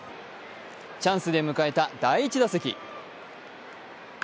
チャンスで迎えた第１打席。